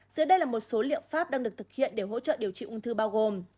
dưới đây là một số liệu pháp đang được thực hiện để hỗ trợ điều trị ung thư bao gồm